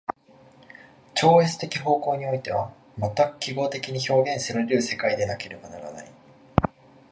超越的方向においては全く記号的に表現せられる世界でなければならない。